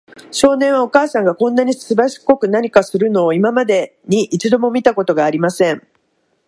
少年は、お母さんがこんなにすばしこく何かするのを、今までに一度も見たことがありません。